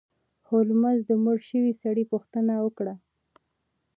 هولمز د مړ شوي سړي پوښتنه وکړه.